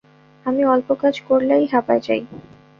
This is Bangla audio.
আমি অল্প কাজ করলেই হাপাই যাই।